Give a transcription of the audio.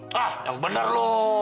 hah yang bener lo